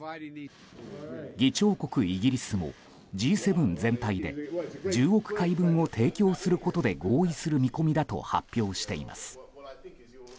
議長国イギリスもＧ７全体で１０億回分を提供することで合意する見込みだと発表しています。